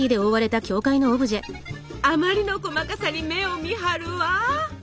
あまりの細かさに目をみはるわ。